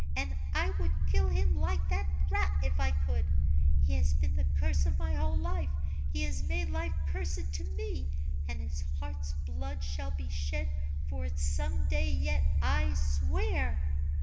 and I would kill him, like that rat, if I could! He has been the curse of my whole life; he has made life cursed to me; and his heart's blood shall be shed for it some day yet, I swear!"